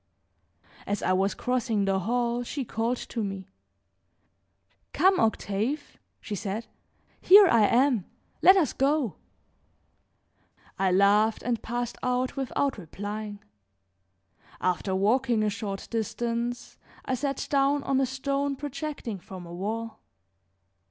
As I was crossing the hall she called to me: "Come, Octave!" she said; "here I am, let us go." I laughed and passed out without replying. After walking a short distance I sat down on a stone projecting from a wall.